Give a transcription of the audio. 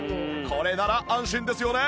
これなら安心ですよね！